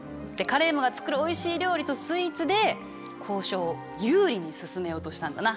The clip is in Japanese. カレームが作るおいしい料理とスイーツで交渉を有利に進めようとしたんだな。